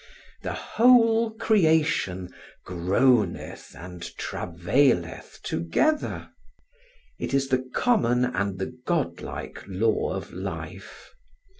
The whole creation groaneth and travaileth together. It is the common and the god like law of life.